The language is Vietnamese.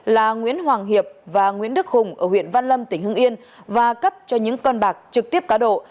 là nguyễn hoàng hiệp và nguyễn đức hùng ở huyện văn lâm tỉnh hưng yên và cấp cho những con bạc trực tiếp cá độ